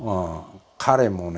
彼もね